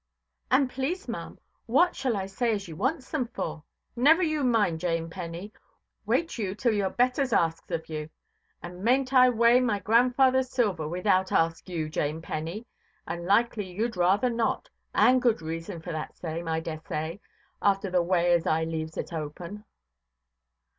"And please, maʼam, what shall I say as you wants them for"? "Never you mind, Jane Penny. Wait you till your betters asks of you. And maynʼt I weigh my grandfatherʼs silver, without ask you, Jane Penny? And likely youʼd rather not, and good reason for that same, I dessay, after the way as I leaves it open".